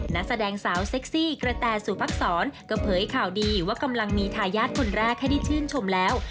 นักแสดงสาวเซ็กซี่กระแตสุภักษรก็เผยข่าวดีว่ากำลังมีทายาทคนแรกให้ได้ชื่นชมแล้ว